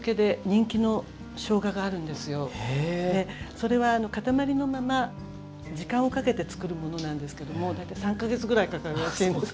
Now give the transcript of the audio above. それは塊のまま時間をかけて作るものなんですけども大体３か月ぐらいかかるらしいんです。